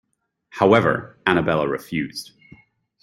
However, Annabella refused.